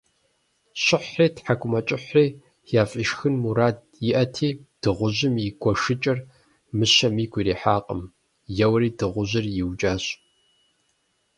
Щыхьри, тхьэкӏумэкӏыхьри яфӏишхын мурад иӏэти, дыгъужьым и гуэшыкӏэр мыщэм игу ирихьакъым: еуэри дыгъужьыр иукӏащ.